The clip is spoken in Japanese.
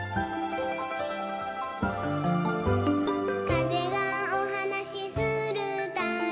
「かぜがおはなしするたび」